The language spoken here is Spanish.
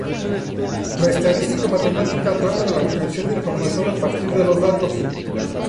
La estadística matemática trata de la obtención de información a partir de los datos.